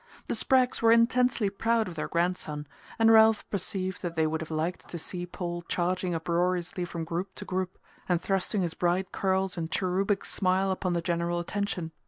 The Spraggs were intensely proud of their grandson, and Ralph perceived that they would have liked to see Paul charging uproariously from group to group, and thrusting his bright curls and cherubic smile upon the general attention.